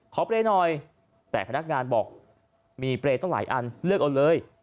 เปรย์หน่อยแต่พนักงานบอกมีเปรย์ต้องหลายอันเลือกเอาเลย